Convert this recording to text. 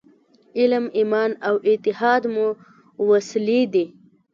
علم، ایمان او اتحاد مو وسلې دي.